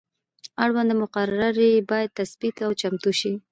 اړونده مقررې باید تثبیت او چمتو شي.